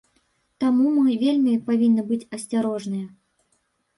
Таму мы вельмі павінны быць асцярожныя.